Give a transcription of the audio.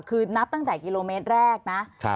คือนับตั้งแต่กิโลเมตรแรกนะ